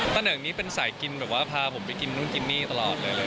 ตะเหิงนี้เป็นสายกินเขาพาผมไปกินตลอดเลย